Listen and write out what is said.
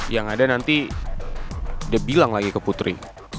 yang ada nanti dia bilang lagi ke putri